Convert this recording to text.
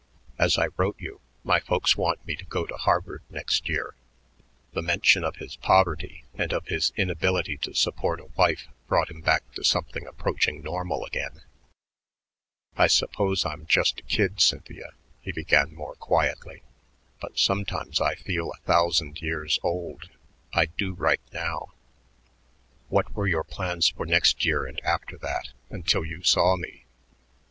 As I wrote you, my folks want me to go to Harvard next year." The mention of his poverty and of his inability to support a wife brought him back to something approaching normal again. "I suppose I'm just a kid, Cynthia," he added more quietly, "but sometimes I feel a thousand years old. I do right now." "What were your plans for next year and after that until you saw me?"